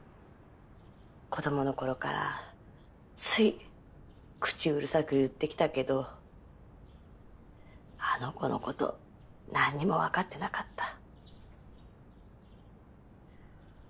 子供のころからつい口うるさく言ってきたけどあの子のこと何にも分かってなかった。